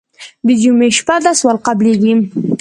د جمعې شپه ده سوال قبلېږي.